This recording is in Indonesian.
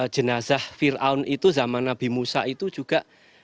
jenazah fir'aun itu zaman nabi musa itu juga